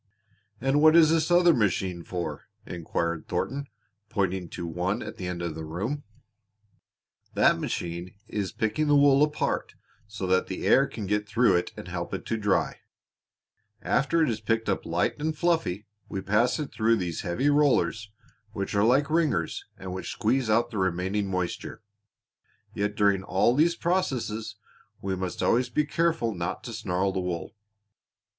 "And what is this other machine for?" inquired Thornton, pointing to one at the end of the room. [Illustration: "WHAT IS THIS OTHER MACHINE?"] "That machine is picking the wool apart so that the air can get through it and help it to dry. After it is picked up light and fluffy we pass it through these heavy rollers, which are like wringers and which squeeze out the remaining moisture. Yet during all these processes we must always be careful not to snarl the wool.